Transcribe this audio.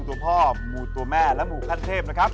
ชื่อผลเลส